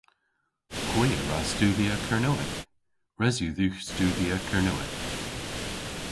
Hwi a wra studhya Kernewek. Res yw dhywgh studhya Kernewek.